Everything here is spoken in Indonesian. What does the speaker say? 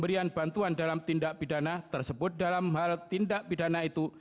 pemberian bantuan dalam tindak pidana tersebut dalam hal tindak pidana itu